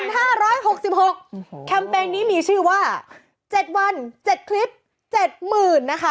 แคมเปญนี้มีชื่อว่า๗วัน๗คลิป๗๐๐๐๐นะคะ